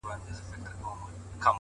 موږه ستا د سترگو له پردو سره راوتـي يـو’